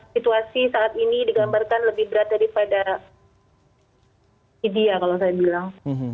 situasi saat ini digambarkan lebih berat daripada india kalau saya bilang